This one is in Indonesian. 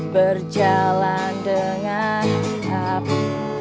berjalan dengan apa